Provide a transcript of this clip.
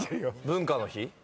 「文化の日」？